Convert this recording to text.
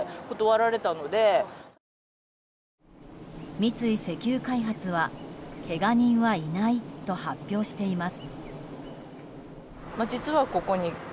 三井石油開発はけが人はいないと発表しています。